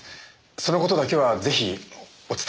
その事だけはぜひお伝えしたくて。